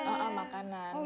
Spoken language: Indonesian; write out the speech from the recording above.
sambil menikmati makanan